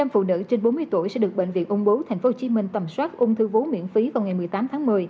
năm phụ nữ trên bốn mươi tuổi sẽ được bệnh viện ung bú tp hcm tầm soát ung thư vú miễn phí vào ngày một mươi tám tháng một mươi